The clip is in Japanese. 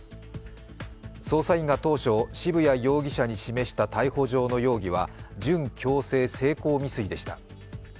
捜査員が当初、渋谷容疑者に示した逮捕状の容疑は準強制性交未遂でした。